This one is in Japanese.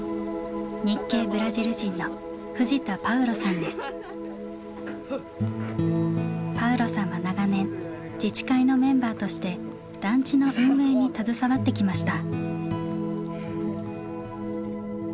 日系ブラジル人のパウロさんは長年自治会のメンバーとして団地の運営に携わってきました。